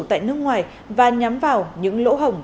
tại nước ngoài và nhắm vào những lỗ hổng